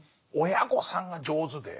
親御さんが上手で。